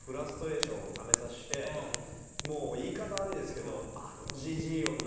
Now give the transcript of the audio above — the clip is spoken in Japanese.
もう言い方は悪いですけど。